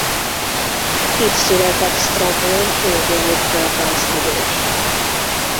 Itt született Sztrabón ógörög földrajztudós.